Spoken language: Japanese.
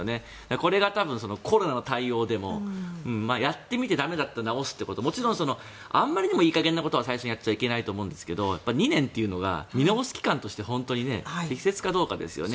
これが多分コロナの対応でもやってみて駄目だったら直すっていうこともちろんあんまりにもいい加減なことは最初にやっちゃいけないと思うんですが２年というのが見直す期間として適切かどうかですよね。